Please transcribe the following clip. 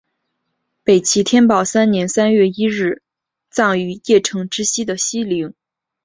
北齐天保三年三月一日葬于邺城之西的西陵。